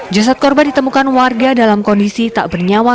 jasad korban ditemukan warga dalam kondisi tak bernyawa